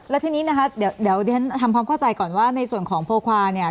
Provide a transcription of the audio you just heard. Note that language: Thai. แล้วทีนี้นะคะเดี๋ยวฉันทำความเข้าใจก่อนว่าในส่วนของโพควาเนี่ย